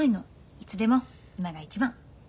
いつでも今が一番。